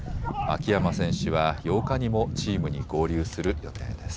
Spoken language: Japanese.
秋山選手は８日にもチームに合流する予定です。